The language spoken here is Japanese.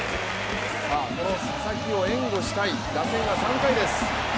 この佐々木を援護したい打線は３回です。